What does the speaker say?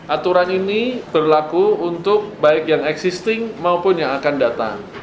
aturan ini berlaku untuk baik yang existing maupun yang akan datang